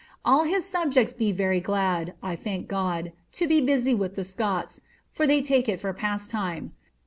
All his subjects be very glad (I thank God) to be busy with the Scotts ; for tliey take it for pastime.